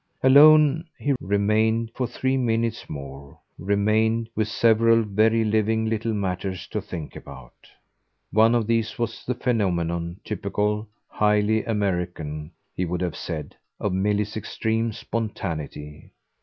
Alone he remained for three minutes more remained with several very living little matters to think about. One of these was the phenomenon typical, highly American, he would have said of Milly's extreme spontaneity.